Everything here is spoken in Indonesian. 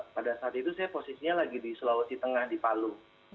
pada saat itu saya posisinya lagi di sulawesi tengah di palu